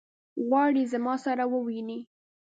غواړي زما سره وویني.